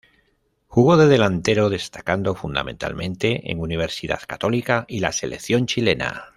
Jugó de delantero, destacando fundamentalmente en Universidad Católica y la selección chilena.